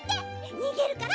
にげるから。